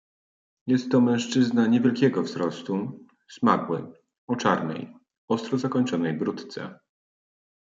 "Jest to mężczyzna niewielkiego wzrostu, smagły, o czarnej, ostro zakończonej bródce."